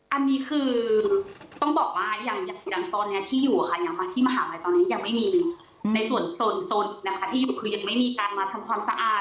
อันนี้คือต้องบอกว่าอย่างตอนนี้ที่อยู่ค่ะยังมาที่มหาลัยตอนนี้ยังไม่มีในส่วนนะคะที่อยู่คือยังไม่มีการมาทำความสะอาด